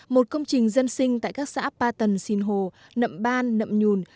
một công trình dân sinh tại các xã ba tần sìn hồ nậm ban nậm nhùn